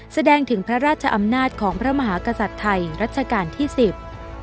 แสดงถึงพระราชอำนาจของพระมหากษัตริย์ไทยรัชกาลที่สิบ